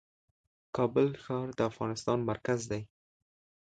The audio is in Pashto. کابل ښار د افغانستان مرکز دی .